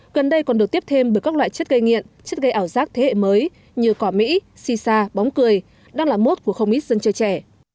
gần đây còn được tiếp thêm bởi các loại chất gây nghiện chất gây ảo giác thế hệ mới như cỏ mỹ si sa bóng cười đang là mốt của không ít dân chơi trẻ